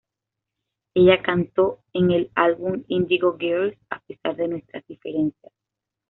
Ella cantó en el álbum "Indigo Girls" a pesar de nuestras diferencias.